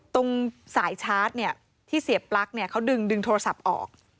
ตรงสายชาร์จที่เสียปลั๊กเขาดึงโทรศัพท์ออก